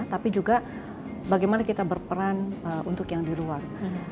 tapi juga bagaimana kita berperan untuk yang di luar